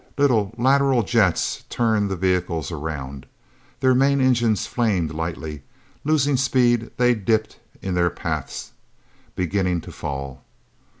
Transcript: Little, lateral jets turned the vehicles around. Their main engines flamed lightly; losing speed, they dipped in their paths, beginning to fall.